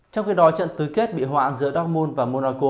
trong khi đó trận tứ kết bị hoãn giữa dortmund và monaco